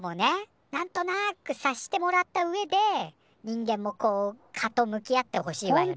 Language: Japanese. なんとなく察してもらったうえで人間もこう「カ」と向き合ってほしいわよね。